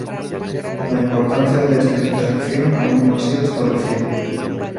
La importancia de esta interacción aún no ha sido establecida.